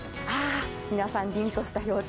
皆さん、りんとした表情。